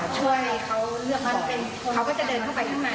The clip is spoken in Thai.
ช่วยเขาเลือกบ้านเต้นเขาก็จะเดินเข้าไปข้างใน